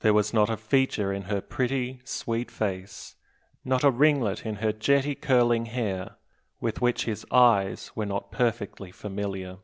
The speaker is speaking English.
There was not a feature in her pretty, sweet face, not a ringlet in her jetty curling hair, with which his eyes were not perfectly familiar.